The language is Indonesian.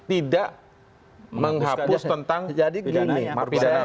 tidak menghapus tentang pidana